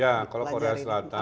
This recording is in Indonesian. ya kalau korea selatan